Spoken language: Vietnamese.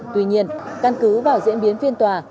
tuy nhiên căn cứ vào diễn biến phiên tòa